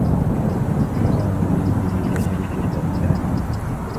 انقاذ الجنس البشري يبدأ بالعائلة.